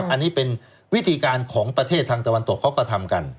อันนี้เป็นวิธีการของประเทศทางตะวันตกเขาก็ทำกัน